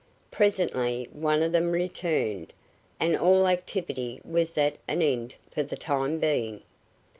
Presently one of them returned, and all activity was at an end for the time being.